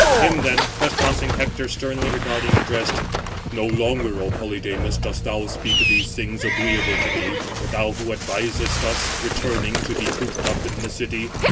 Him, then, crest tossing Hector sternly regarding, addressed: "No longer, O Polydamas, dost thou speak these things agreeable to me, thou who advisest us, returning, to be cooped up in the city.